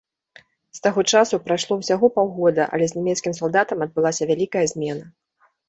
З таго часу прайшло ўсяго паўгода, але з нямецкім салдатам адбылася вялікая змена.